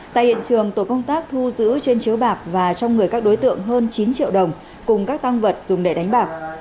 tại hiện trường tổ công tác thu giữ trên chiếu bạc và trong người các đối tượng hơn chín triệu đồng cùng các tăng vật dùng để đánh bạc